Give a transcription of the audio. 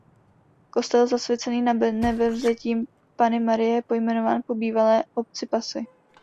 Kostel zasvěcený Nanebevzetí Panny Marie je pojmenován po bývalé obci Passy.